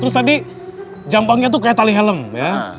terus tadi jampangnya tuh kayak tali helm ya